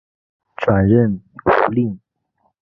转任吴令。